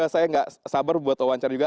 saya nggak sabar buat wawancara juga